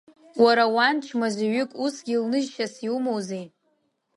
Уара уан чмазаҩык усгьы лныжьшьас иумоузеи…